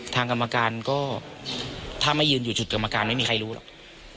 ทางกรรมการก็ถ้าไม่ยืนอยู่จุดกรรมการไม่มีใครรู้หรอก